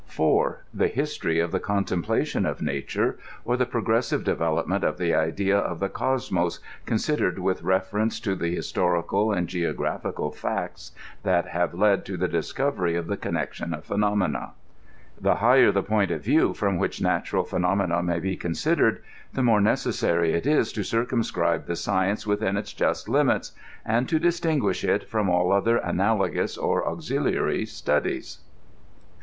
4. The history of the contemplation of nature, br the pro gressive development of the idea of the Cosmos, considered with reference to the historical and geographical facts that have led to the discovery of the connection of phenomena. The higher the point of view &om which natural phenome na may be considered, the more necessary it is to circumscribe the science within its ju^t limits, and to distinguish it firom all other analogous or auxiliary studies.